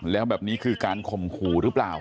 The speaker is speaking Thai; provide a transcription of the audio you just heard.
แล้วแบบนี้คือการข่มขู่หรือเปล่า